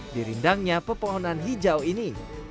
di rindangnya pepohonan hijau ini